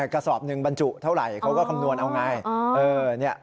กระสอบหนึ่งบรรจุเท่าไหร่เขาก็คำนวณเอาไง